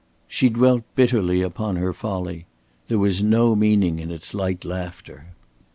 She dwelt bitterly upon her folly. There was no meaning in its light laughter.